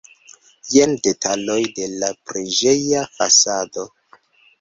Jen detaloj de la preĝeja fasado.